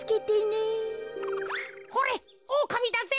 ほれっオオカミだぜ。